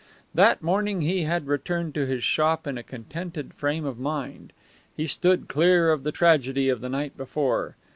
That morning he had returned to his shop in a contented frame of mind. He stood clear of the tragedy of the night before.